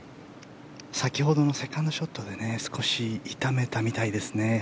先ほどのセカンドショットで少し痛めたみたいですね。